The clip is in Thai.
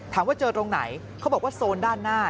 ถามว่าเจอตรงไหนเขาบอกว่าโซนด้านหน้า